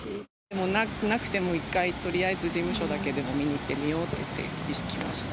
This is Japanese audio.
もう、なくても一回、事務所だけでも見に行ってみようといって、来ました。